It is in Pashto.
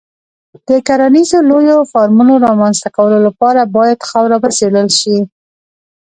د کرنیزو لویو فارمونو رامنځته کولو لپاره باید خاوره وڅېړل شي.